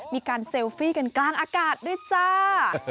มีการเซลฟี่กันกลางอากาศด้วยจ้า